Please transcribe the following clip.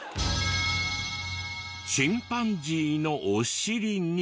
チンパンジーのお尻に。